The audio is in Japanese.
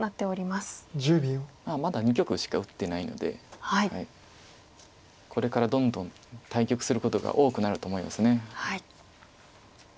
まだ２局しか打ってないのでこれからどんどん対局することが多くなると思います。